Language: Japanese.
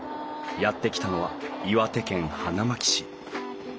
やって来たのは岩手県花巻市。